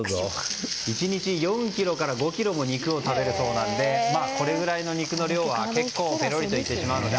１日、４ｋｇから５ｋｇも肉を食べるそうでこれぐらいの肉の量は結構ぺろりと行ってしまうので。